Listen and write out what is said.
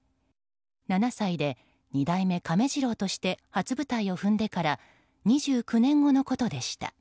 ７歳で二代目亀治郎として初舞台を踏んでから２９年後のことでした。